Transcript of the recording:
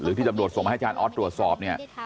หรือที่ตำรวจส่งให้ท่านออสตรวจสอบเนี่ย